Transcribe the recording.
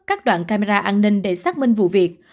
các đoạn camera an ninh để xác minh vụ việc